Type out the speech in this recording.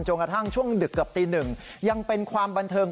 จนกระทั่งช่วงดึกกับตี๑ยังเป็นความบันเทิง